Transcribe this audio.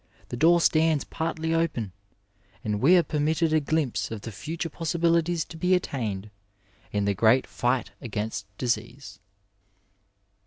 The door stands partly open, ' and we are permitted a glimpse of the future possibilities to be attained in the great fight against disease.